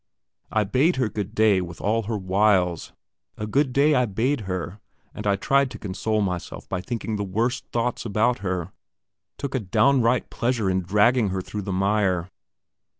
I bade her good day with all her wiles: a good day I bade her; and I tried to console myself by thinking the worst thoughts about her; took a downright pleasure in dragging her through the mire.